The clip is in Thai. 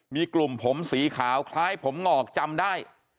มีกลุ่มผมสีขาวคล้ายผมงอกจำได้